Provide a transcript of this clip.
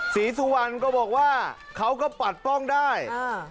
ศรีสุวรรณก็บอกว่าเขาก็ปัดป้องได้